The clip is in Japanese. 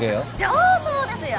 上等ですよ！